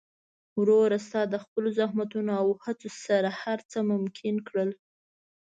وروره! ستا د خپل زحمتونو او هڅو سره هر څه ممکن کړل.